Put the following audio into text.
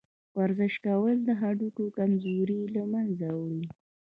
ورزش کول د هډوکو کمزوري له منځه وړي.